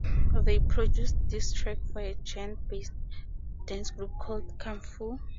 They produced this track for a Ghent-based dancegroup called Kung Fu.